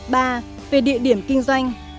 ba về địa điểm kinh doanh